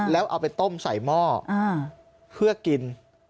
แล้วเอาไปต้มใส่หม้อเพื่อกิน